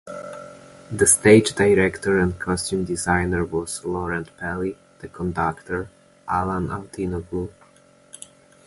The stage director and costume designer was Laurent Pelly; the conductor, Alain Altinoglu.